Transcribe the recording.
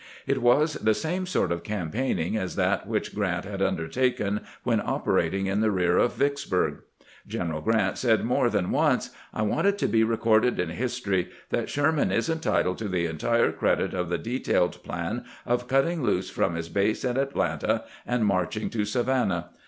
It was the same sort of campaigning as that which Grrant had undertaken when operating in the rear of Vicksburg. General Grant said more than once :" I want it to be recorded in history that Sherman is entitled to the entire credit of the de tailed plan of cutting loose from his base at Atlanta and marching to Savannah.